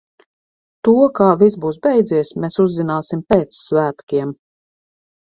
To, kā viss būs beidzies, mēs uzzināsim pēc svētkiem.